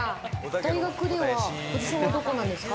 大学ではポジションはどこなんですか？